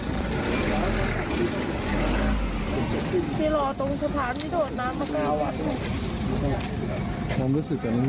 ที่รอตรงสภาพนี้โดดน้ำมันก็คือ